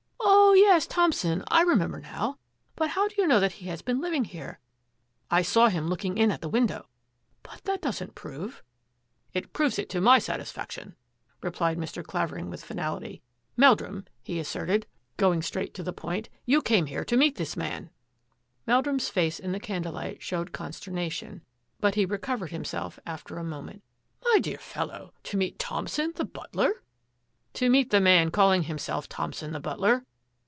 " Oh, yes, Thompson. I remember now. But how do you know that he has been living here? "" I saw him looking in at the window." " But that doesn't prove —"" It proves it to my satisfaction," replied Mr. Clavering with finality. " Meldrum," he asserted, 146 THAT AFFAIR AT THE MANOR going straight to the point, " you came here to meet this man." Meldrum's face in the candlelight showed con sternation, but he recovered himself after a mo ment. " My dear fellow, to meet Thompson the but ler!'' " To meet the man calling himself Thompson the butler."